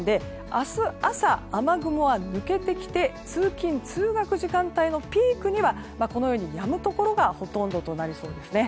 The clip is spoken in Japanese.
明日朝、雨雲は抜けてきて通勤・通学時間帯のピークにはやむところがほとんどとなりそうです。